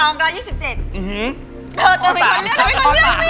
มีคนเลือก๐๓